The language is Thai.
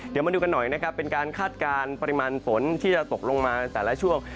เดี๋ยวมาดูกันหน่อยนะครับเป็นการคาดการณ์ปริมาณฝนที่จะตกลงมาแต่ละช่วง